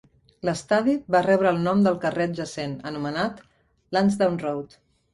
L'estadi va rebre el nom del carrer adjacent, anomenat Landsdowne Road.